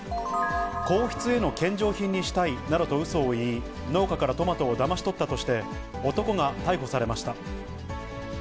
皇室への献上品にしたいなどと、うそを言い、農家からトマトをだまし取ったとして、男が逮捕されました。